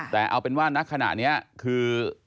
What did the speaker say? แต่เอาเป็นว่าณขณะนี้คือ